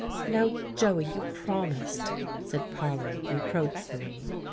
"Now, Joey, you promised," said Polly reproachfully.